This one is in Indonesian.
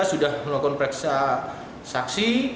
sudah melakukan pereksa saksi